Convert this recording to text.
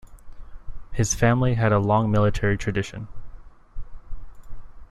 His family had a long military tradition.